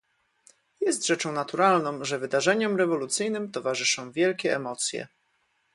Jest rzeczą naturalną, że wydarzeniom rewolucyjnym towarzyszą wielkie emocje